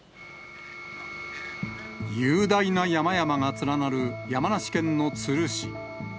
雄大な山々が連なる山梨県の都留市。